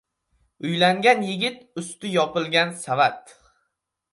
• Uylangan yigit — usti yopilgan savat.